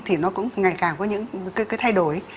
thì nó cũng ngày càng có những cái thay đổi